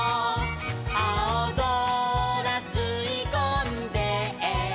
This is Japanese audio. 「あおぞらすいこんで」